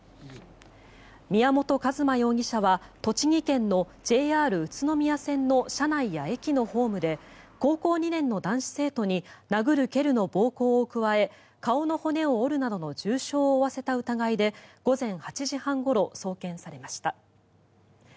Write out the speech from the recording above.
宮本一馬容疑者は栃木県のＪＲ宇都宮線の車内や駅のホームで高校２年の男子生徒に殴る蹴るの暴行を加え顔の骨を折るなどの重傷を負わせた疑いで午前８時半ごろ送検されました。